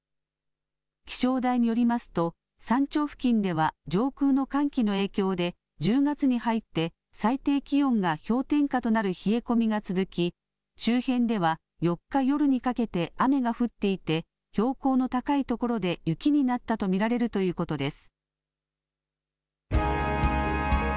気象台によりますと山頂付近では上空の寒気の影響で１０月に入って最低気温が氷点下となる冷え込みが続き周辺では４日夜にかけて雨が降っていて標高の高いところで雪になったと見られるということです。